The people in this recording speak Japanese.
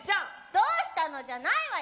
どうしたのじゃないわよ！